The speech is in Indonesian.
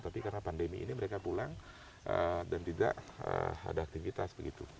tapi karena pandemi ini mereka pulang dan tidak ada aktivitas begitu